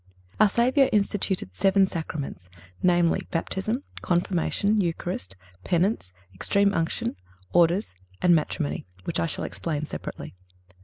(329) Our Savior instituted seven Sacraments, namely, Baptism, Confirmation, Eucharist, Penance, Extreme Unction, Orders and Matrimony, which I shall explain separately.